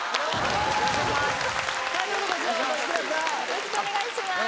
よろしくお願いします。